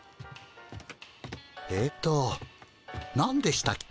えっとなんでしたっけ？